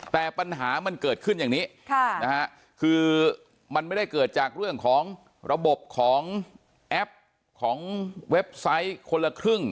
แต่ปัญหามันเกิดขึ้นอย่างนี้คือมันไม่ได้เกิดจากเรื่องของระบบของแอปของเว็บไซต์คนละครึ่ง